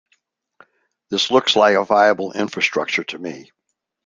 This looks like a viable infrastructure to me.